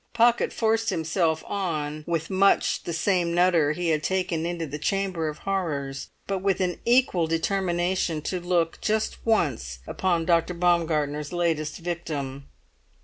Pocket forced himself on with much the same nutter he had taken into the Chamber of Horrors, but with an equal determination to look just once upon Dr. Baumgartner's latest victim.